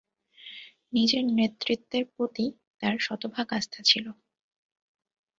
নিজের নেতৃত্বের প্রতি তার শতভাগ আস্থা ছিল।